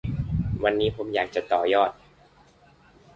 วันนี้ผมอยากจะต่อยอด